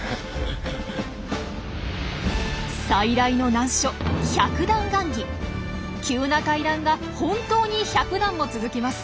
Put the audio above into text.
最大の難所急な階段が本当に百段も続きます。